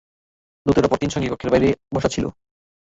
দূতের অপর তিন সঙ্গী কক্ষের বাইরে বসা ছিল।